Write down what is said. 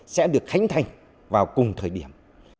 sẽ được khánh thành vào cùng thời điểm